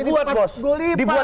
terus nanti dibuat bos